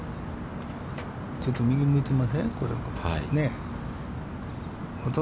ちょっと右向いてません？